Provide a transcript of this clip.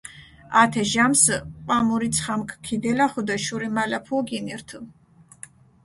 ათე ჟამსჷ ჸვამურიცხამქ ქიდელახჷ დო შურიმალაფუო გინირთჷ.